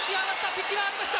ピッチが上がりました。